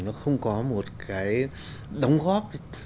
nó không có một cái đóng góp